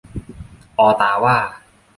ออตาว่า